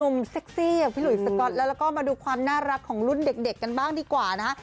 เซ็กซี่อย่างพี่หลุยสก๊อตแล้วแล้วก็มาดูความน่ารักของรุ่นเด็กกันบ้างดีกว่านะฮะ